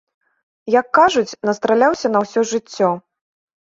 Як кажуць, настраляўся на ўсё жыццё.